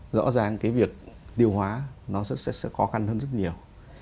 rõ ràng cái việc tiêu hóa nó sẽ khó khăn hơn rất nhiều